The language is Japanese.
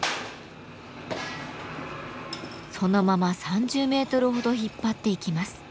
そのまま３０メートルほど引っ張っていきます。